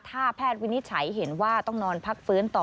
ถ้าแพทย์วินิจฉัยเห็นว่าต้องนอนพักฟื้นต่อ